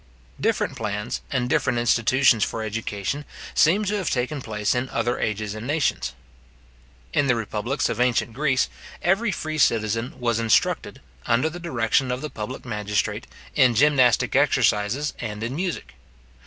Different plans and different institutions for education seem to have taken place in other ages and nations. In the republics of ancient Greece, every free citizen was instructed, under the direction of the public magistrate, in gymnastic exercises and in music.